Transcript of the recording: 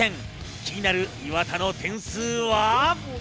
気になる岩田の点数は？